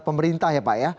pemerintah ya pak ya